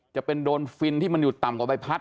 จะเป็นโดนฟินที่มันอยู่ต่ำกว่าใบพัด